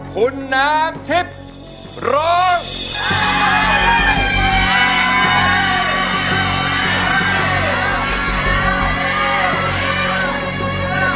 คุณน้ำทิพย์ร้อง